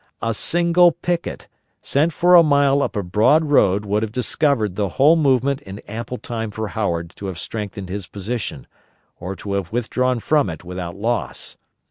A single picket, sent for a mile up a broad road would have discovered the whole movement in ample time for Howard to have strengthened his position, or to have withdrawn from it without loss.